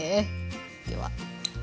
では。